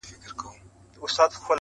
له تر بور سره پخوا هډونه مات وه.!